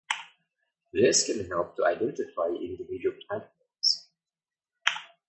This can help to identify individual platforms.